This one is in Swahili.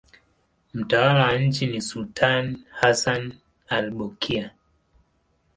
Mtawala wa nchi ni sultani Hassan al-Bolkiah.